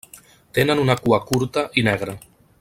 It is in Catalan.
Tenen una cua curta i negra.